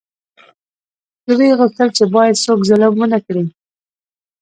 ترې وې غوښتل چې باید څوک ظلم ونکړي.